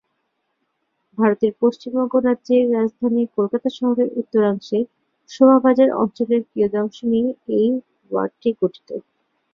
ভারতের পশ্চিমবঙ্গ রাজ্যের রাজধানী কলকাতা শহরের উত্তরাংশে শোভাবাজার অঞ্চলের কিয়দংশ নিয়ে এই ওয়ার্ডটি গঠিত।